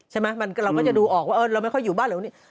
ใช่ไหมเราก็จะดูออกว่าเราไม่ค่อยอยู่บ้านเหลือ